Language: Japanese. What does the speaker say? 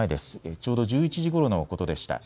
ちょうど１１時ごろのことでした。